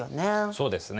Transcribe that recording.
そうですね。